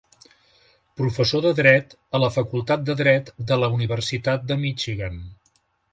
Professor de Dret a la Facultat de Dret de la Universitat de Michigan.